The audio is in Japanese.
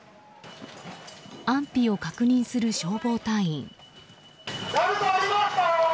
安否を確認する消防隊員。